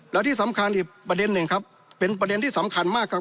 แล้วที่สำคัญอีกประเด็นหนึ่งครับเป็นประเด็นที่สำคัญมากครับ